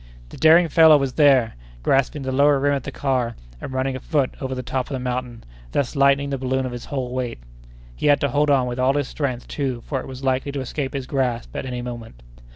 The daring fellow was there, grasping the lower rim of the car, and running afoot over the top of the mountain, thus lightening the balloon of his whole weight. He had to hold on with all his strength, too, for it was likely to escape his grasp at any moment.